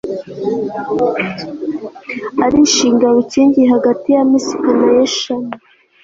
arishinga bukingi hagati ya misipa na yeshana